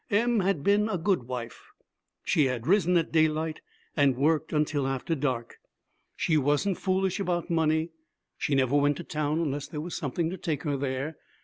Em had been a good wife; she had risen at daylight and worked until after dark. She wasn't foolish about money. She never went to town unless there was something to take her there.